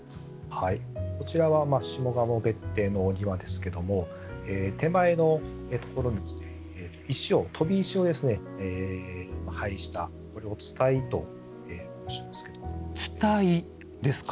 こちらは下鴨別邸のお庭の写真ですけれども手前のところに飛び石を配したこれを伝いと申しますけれども。